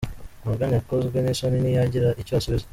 Morgan yakozwe n’isoni ntiyagira icyo asubiza.